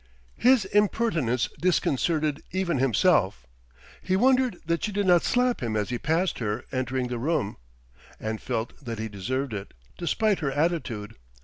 His impertinence disconcerted even himself; he wondered that she did not slap him as he passed her, entering the room; and felt that he deserved it, despite her attitude.